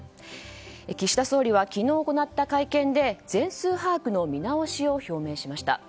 岸田総理は昨日行った会見で全数把握の見直しを表明しました。